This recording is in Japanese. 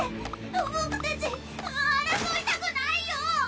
ボクたち争いたくないよ。